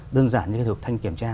đơn giản như cái thủ tục thanh kiểm tra